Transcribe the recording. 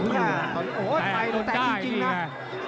แต่โดนได้นี่แหละ